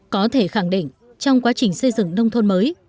có thể khẳng định trong quá trình xây dựng nông thôn phát triển